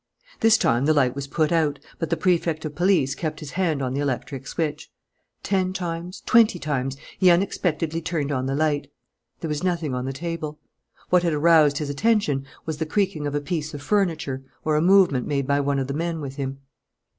This time the light was put out, but the Prefect of Police kept his hand on the electric switch. Ten times, twenty times, he unexpectedly turned on the light. There was nothing on the table. What had aroused his attention was the creaking of a piece of furniture or a movement made by one of the men with him.